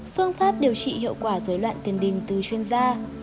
phương pháp điều trị hiệu quả dối loạn tiền đình từ chuyên gia